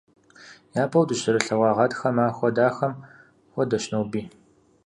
Япэу дыщызэрылъэгъуа гъатхэ махуэ дахэм хуэдэщ ноби.